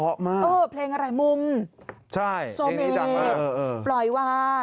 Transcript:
เห็นพอเปราะมากเป็นเพลงอะไรมุมโซเมด